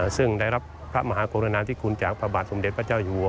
ซึ่งได้รับพระมหากรุณาธิคุณจากพระบาทสมเด็จพระเจ้าอยู่หัว